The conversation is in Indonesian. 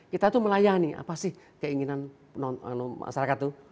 kita tuh melayani apa sih keinginan masyarakat itu